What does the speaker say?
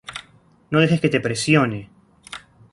No dejes que te presione".